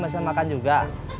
mama gak bisa makan juga